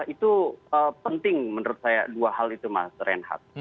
itu penting menurut saya dua hal itu mas reinhardt